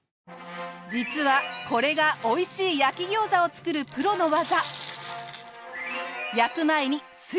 実はこれがおいしい焼き餃子を作るプロの技！